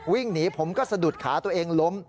วิ่งหนีผมก็สะดุดขาตัวเองล้ม